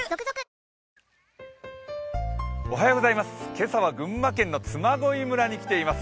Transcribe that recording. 今朝は群馬県嬬恋村に来ています。